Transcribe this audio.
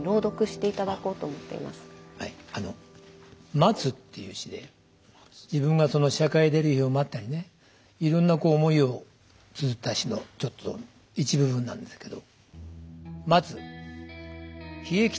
「待つ」っていう詩で自分が社会出る日を待ったりねいろんな思いをつづった詩のちょっと一部分なんですけど。